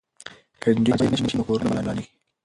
که نجونې مهاجرې نه شي نو کورونه به نه ورانیږي.